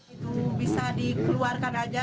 itu bisa dikeluarkan aja